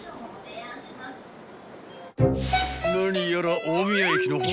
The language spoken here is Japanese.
［何やら］